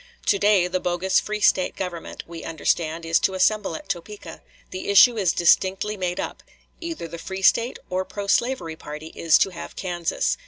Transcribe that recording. To day the bogus free State government, we understand, is to assemble at Topeka. The issue is distinctly made up; either the free State or pro slavery party is to have Kansas....